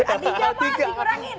artinya mas dikurangin